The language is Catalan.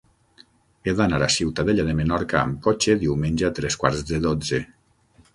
He d'anar a Ciutadella de Menorca amb cotxe diumenge a tres quarts de dotze.